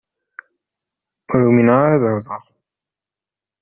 Ur umineɣ ara ad awḍeɣ.